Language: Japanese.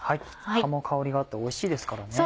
葉も香りがあっておいしいですからね。